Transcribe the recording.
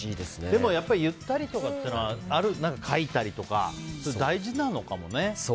でも言ったりとか書いたりとか大事なのかもね。